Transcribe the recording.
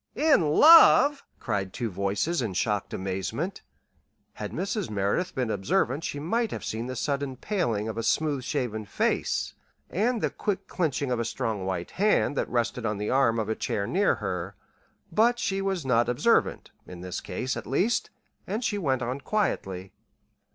"In love!" cried two voices in shocked amazement. Had Mrs. Merideth been observant she might have seen the sudden paling of a smooth shaven face, and the quick clinching of a strong white hand that rested on the arm of a chair near her; but she was not observant in this case, at least and she went on quietly.